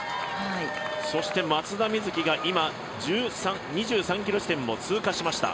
そして松田瑞生が今、２３ｋｍ地点を通過しました。